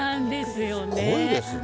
すごいですね。